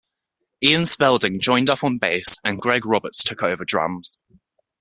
Ian Spalding joined up on bass and Greg Roberts took over drums.